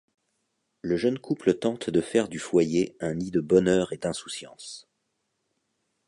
Le jeune couple tente de faire du foyer un nid de bonheur et d’insouciance.